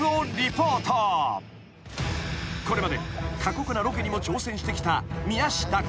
［これまで過酷なロケにも挑戦してきた宮下草薙］